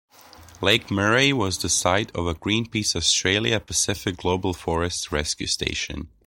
Lake Murray was the site of a Greenpeace Australia Pacific Global Forest Rescue Station.